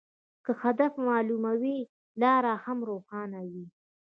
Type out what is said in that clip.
که هدف معلوم وي، لار هم روښانه وي.